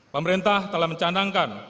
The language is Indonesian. pemerintah telah mencandangkan